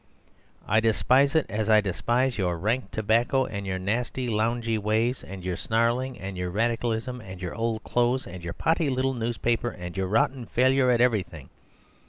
"I despise it as I despise your rank tobacco, and your nasty, loungy ways, and your snarling, and your Radicalism, and your old clothes, and your potty little newspaper, and your rotten failure at everything.